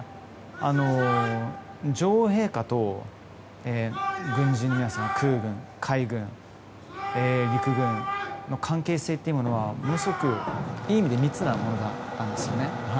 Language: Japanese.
女王陛下と軍人空軍、海軍、陸軍の関係性というのはものすごく、いい意味で密なものなんですね。